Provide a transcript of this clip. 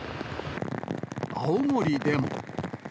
青森でも。